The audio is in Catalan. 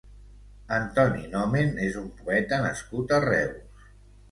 Antoni Nomen és un poeta nascut a Reus.